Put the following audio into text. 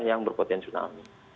yang berpotensi tsunami